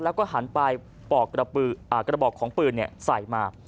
แล้วก็หันไปผ่านจบออกของปืนเนี่ยใส่มา